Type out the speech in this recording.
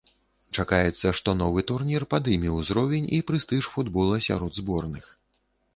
Чакаецца, што новы турнір падыме ўзровень і прэстыж футбола сярод зборных.